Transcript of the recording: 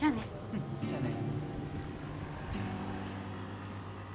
うんじゃあね。